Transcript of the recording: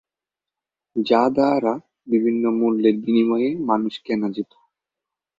যা দ্বারা বিভিন্ন মূল্যের বিনিময়ে মানুষ কেনা যেত।